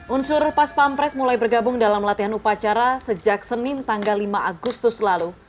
unsur pas pampres mulai bergabung dalam latihan upacara sejak senin tanggal lima agustus lalu